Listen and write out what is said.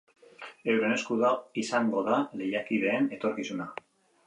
Euren esku izango da lehiakideen etorkizuna.